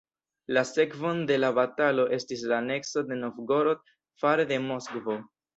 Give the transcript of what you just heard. La sekvon de la batalo estis la anekso de Novgorod fare de Moskvo.